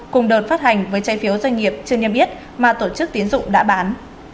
cùng đợt phát hành với chai phiếu doanh nghiệp chưa nhầm yết mà tổ chức tiến dụng đã bán